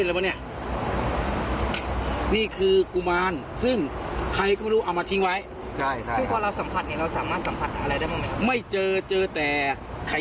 ก็จะได้สบายใจกันเนี่ยทีเรามาพอเนี้ยจะได้สบายใจกัน